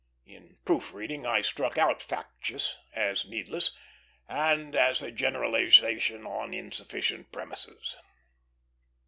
In proofreading I struck out "factious;" as needless, and as a generalization on insufficient premises.